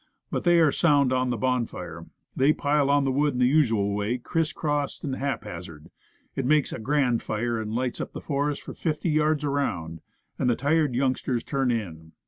But, they are sound on the bonfire. They pile on the wood in the usual way, criss cross and hap hazard. It makes a grand fire, that lights up the forest for fifty yards around, and the tired youngsters turn in.